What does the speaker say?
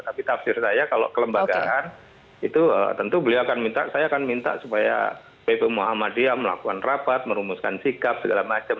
tapi tafsir saya kalau kelembagaan itu tentu beliau akan minta saya akan minta supaya pp muhammadiyah melakukan rapat merumuskan sikap segala macam